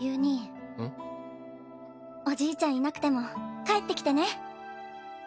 おじいちゃんいなくても帰って来てね。